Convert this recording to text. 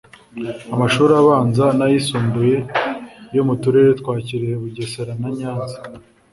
Amashuri abanza n ayisumbuye yo mu Turere twa Kirehe Bugesera na Nyanza